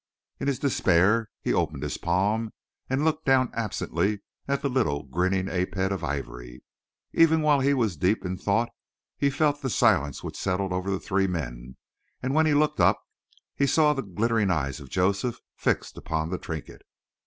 In his despair he opened his palm and looked down absently at the little grinning ape head of ivory. Even while he was deep in thought he felt the silence which settled over the three men, and when he looked up he saw the glittering eyes of Joseph fixed upon the trinket.